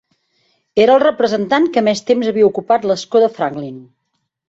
Era el representant que més temps havia ocupat l'escó de Franklin.